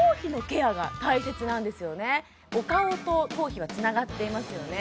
お顔と頭皮はつながっていますよね